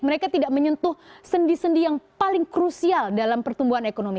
mereka tidak menyentuh sendi sendi yang paling krusial dalam pertumbuhan ekonomi